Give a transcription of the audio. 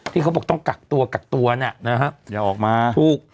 ที่เขาบอกต้องกักตัวกักตัวเนี่ยนะฮะอย่าออกมาถูก